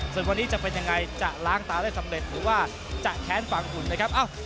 ส่วนวันนี้จะเป็นยังไงจะล้างตาได้สำเร็จหรือว่าจะแค้นฝั่งหุ่นนะครับ